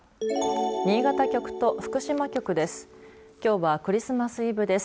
新潟局と福島局です。